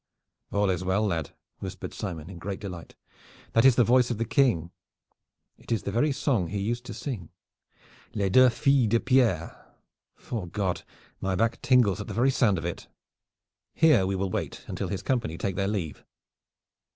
"All is well, lad!" whispered Simon in great delight. "That is the voice of the King. It is the very song he used to sing. 'Les deux filles de Pierre.' 'Fore God, my back tingles at the very sound of it. Here we will wait until his company take their leave."